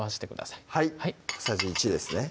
はい小さじ１ですね